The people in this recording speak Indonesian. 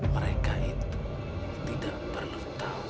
mereka itu tidak perlu tahu